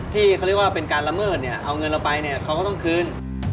ที่เขาเรียกว่าเป็นการละเมิดเนี่ยเอาเงินเราไปเนี่ยเขาก็ต้องคืน